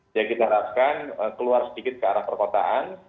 jadi kita harapkan keluar sedikit ke arah perkotaan